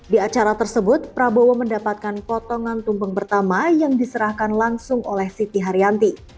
di acara tersebut prabowo mendapatkan potongan tumpeng pertama yang diserahkan langsung oleh siti haryanti